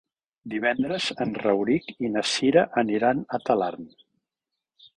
Divendres en Rauric i na Cira aniran a Talarn.